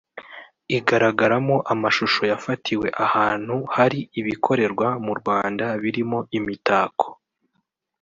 igaragaramo amashusho yafatiwe ahantu hari ibikorerwa mu Rwanda birimo imitako